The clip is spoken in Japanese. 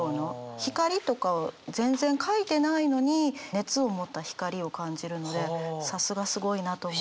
光とか全然書いてないのに熱を持った光を感じるのでさすがすごいなと。